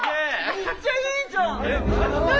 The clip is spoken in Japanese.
めっちゃいいじゃん！何？